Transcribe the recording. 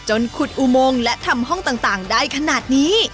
ขุดอุโมงและทำห้องต่างได้ขนาดนี้